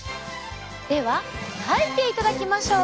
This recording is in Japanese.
では描いていただきましょう！